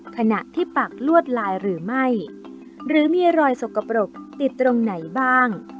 ขณะที่ปักลวดลายหรือไม่หรือมีรอยสกปรกติดตรงไหนบ้าง